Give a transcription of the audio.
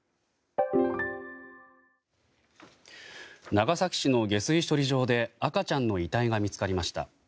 長崎市の下水処理場で赤ちゃんの遺体が見つかりました。